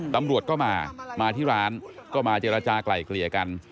ตำรวจก็มามาที่ร้านก็มาเจรจากลายเกลี่ยกัน